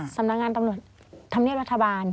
สำนักงานตำรวจธรรมเนียบรัฐบาล